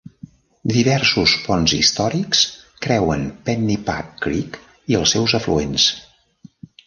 Diversos ponts històrics creuen Pennypack Creek i els seus afluents.